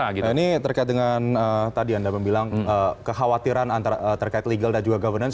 ini terkait dengan tadi anda bilang kekhawatiran terkait legal dan juga governance